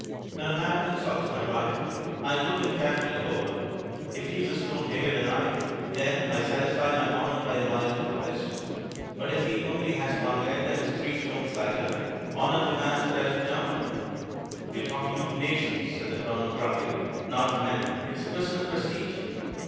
When a man insults my wife, I look him carefully over; if he is a stone heavier than I, then I satisfy my honour by a mild protest. But if he only has one leg, and is three stone lighter, honour demands that I should jump on him." "We're talking of nations," said the Colonel gruffly, "not of men, It's a question of prestige."